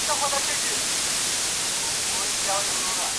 o زما د سيمي د ميوند شاعري .